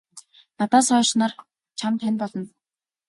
Надаас хойш нар чамд хань болно.